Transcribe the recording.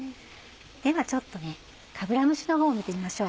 ではかぶら蒸しのほうを見てみましょう。